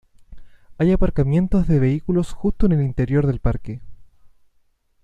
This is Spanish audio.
Hay aparcamientos de vehículos justo en el interior del parque.